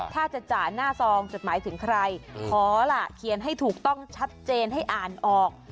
ถ้าจะจ่าหน้าซองจดหมายถึงใครขอล่ะเขียนให้ถูกต้องชัดเจนให้อ่านออก